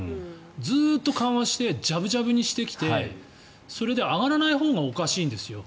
ずっと緩和してじゃぶじゃぶにしてきてそれで上がらないほうがおかしいんですよ。